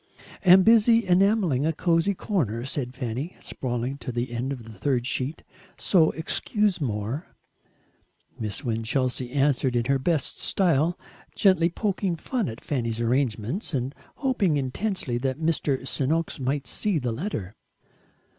"Am busy enamelling a cosey corner," said Fanny, sprawling to the end of her third sheet, "so excuse more." Miss Winchelsea answered in her best style, gently poking fun at Fanny's arrangements and hoping intensely that Mr. Sen'oks might see the letter.